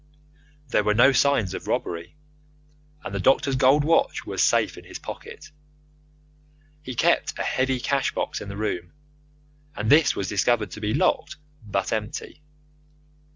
There were no signs of robbery, and the doctor's gold watch was safe in his pocket. He kept a heavy cash box in the room, and this was discovered to be locked but empty.